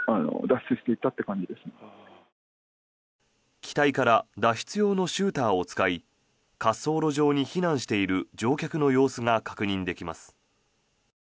機体から脱出用のシューターを使い滑走路上に避難している乗客の様子が確認できます。